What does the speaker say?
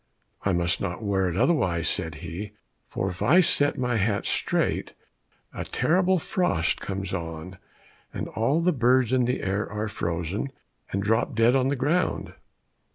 "I must not wear it otherwise," said he, "for if I set my hat straight, a terrible frost comes on, and all the birds in the air are frozen, and drop dead on the ground."